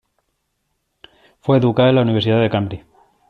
Fue educada en la Universidad de Cambridge.